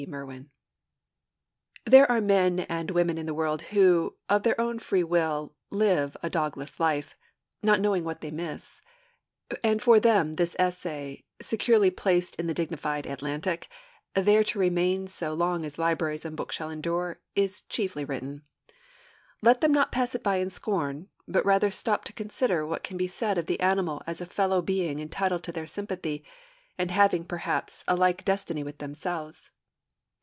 Merwin There are men and women in the world who, of their own free will, live a dogless life, not knowing what they miss; and for them this essay, securely placed in the dignified Atlantic, there to remain so long as libraries and books shall endure, is chiefly written. Let them not pass it by in scorn, but rather stop to consider what can be said of the animal as a fellow being entitled to their sympathy, and having, perhaps, a like destiny with themselves.